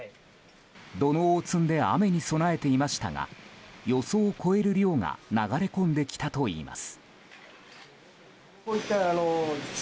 土のうを積んで雨に備えていましたが予想を超える量が流れ込んできたといいます。